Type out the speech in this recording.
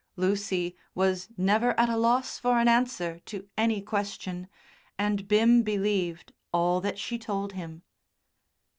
Lucy was never at a loss for an answer to any question, and Bim believed all that she told him.